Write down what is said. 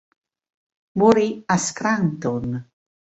Morì a Scranton.